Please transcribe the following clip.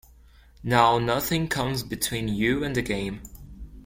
Now nothing comes between you and the game.